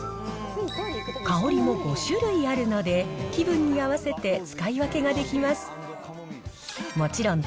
香りも５種類あるので、気分に合わせて使い分けができます。